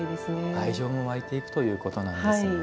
愛情も湧いていくということなんですね。